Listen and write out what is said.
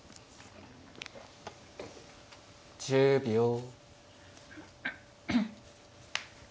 １０秒。